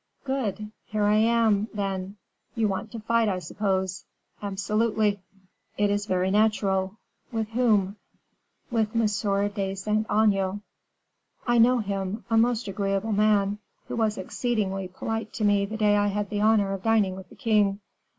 "Good; here I am, then; you want to fight, I suppose?" "Absolutely." "It is very natural. With whom?" "With M. de Saint Aignan." "I know him a most agreeable man, who was exceedingly polite to me the day I had the honor of dining with the king.